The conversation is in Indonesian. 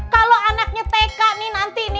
kalau anaknya tk nanti